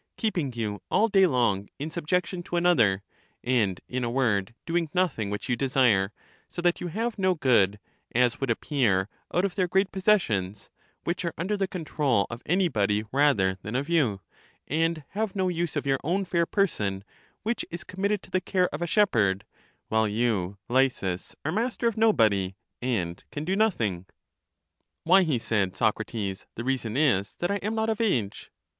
— keeping you all day long in subjection to another, and, in a word, doing nothing which you desire; so that you have no good, as would appear, out of their great possessions, which are under the control of any body rather than of you, and have no use of your own fair person, which is committed to the care of a shep herd; while you, Lysis, are master of nobody, and can do nothing? ^ Why, he said, Socrates, the reason is that I am not of age.